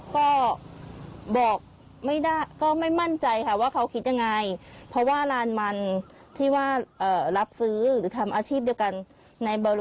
ก็บอกไม่ได้ก็ไม่มั่นใจค่ะว่าเขาคิดยังไงเพราะว่าร้านมันที่ว่ารับซื้อหรือทำอาชีพเดียวกันในบริเวณ